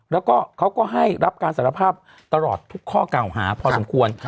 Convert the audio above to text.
แล้วก็เขาก็ให้รับการสารภาพตลอดทุกข้อเก่าหาพอสมควร